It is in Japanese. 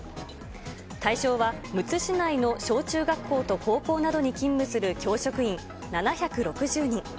対象は、むつ市内の小中学校と高校などに勤務する教職員７６０人。